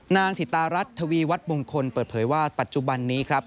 ถิตารัฐทวีวัฒนมงคลเปิดเผยว่าปัจจุบันนี้ครับ